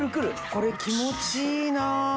これ気持ちいいなぁ。